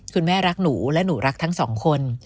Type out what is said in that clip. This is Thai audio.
คุณแม่รักหนูและหนูรักทั้ง๒คน